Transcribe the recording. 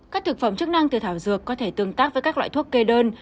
các thực phẩm chức năng từ thảo dược có thể tương tác với các loại thuốc kê đơn